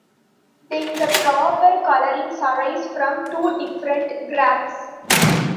Then the proper colorings arise from two different graphs.